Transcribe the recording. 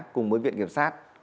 cùng với viện kiểm sát